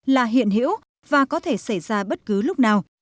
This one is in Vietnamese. là hiện hữu và có thể xảy ra bất cứ lúc nào